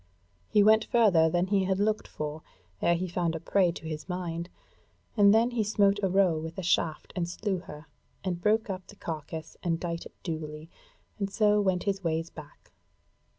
He went further than he had looked for, ere he found a prey to his mind, and then he smote a roe with a shaft and slew her, and broke up the carcase and dight it duly, and so went his ways back.